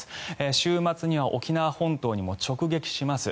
週末には沖縄本島にも直撃します。